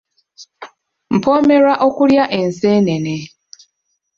Mpoomerwa okulya enseenene.